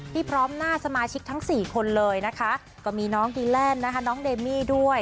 พร้อมหน้าสมาชิกทั้งสี่คนเลยนะคะก็มีน้องดีแลนด์นะคะน้องเดมี่ด้วย